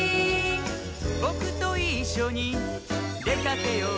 「ぼくといっしょにでかけよう」